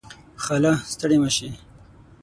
خاله . ستړې مشې